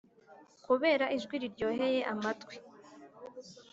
kubera ijwi riryoheye amatwi